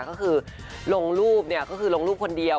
ก็คือลงรูปเนี่ยก็คือลงรูปคนเดียว